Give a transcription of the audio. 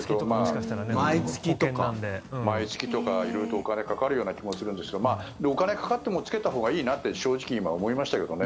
毎月とか色々お金かかるような気もしますがお金かかってもつけたほうがいいなって正直今、思いましたけどね。